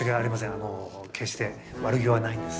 あの決して悪気はないんです。